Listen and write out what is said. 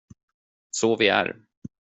Så vi är.